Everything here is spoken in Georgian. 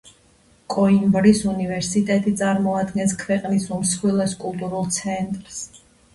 კოიმბრის უნივერსიტეტი წარმოადგენს ქვეყნის უმსხვილეს კულტურულ ცენტრს.